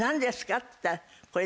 って言ったら。